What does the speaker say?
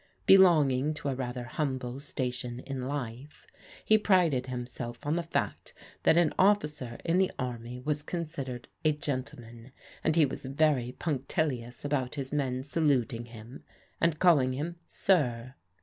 Belonging to a rather humble station in life, he prided himself on the fact that an oflScer in the army was considered a gentle man, and he was very punctilious about his men salut ing him, and calling him " sir."